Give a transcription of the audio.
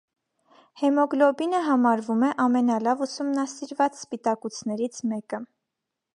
Հեմոգլոբինը համարվում է ամենալավ ուսումնասիրված սպիտակուցներից մեկը։